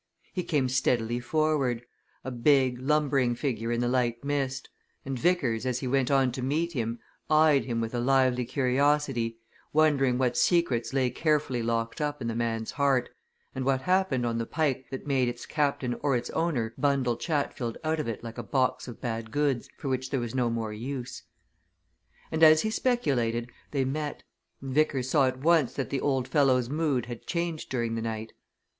He came steadily forward, a big, lumbering figure in the light mist, and Vickers as he went on to meet him eyed him with a lively curiosity, wondering what secrets lay carefully locked up in the man's heart and what happened on the Pike that made its captain or its owner bundle Chatfield out of it like a box of bad goods for which there was no more use. And as he speculated, they met, and Vickers saw at once that the old fellow's mood had changed during the night.